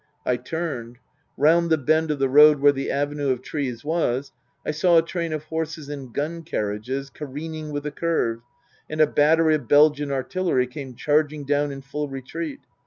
I turned. Round the bend of the road where the avenue of trees was I saw a train of horses and gun carriages careen ing with the curve, and a battery of Belgian artillery came charging down in full retreat.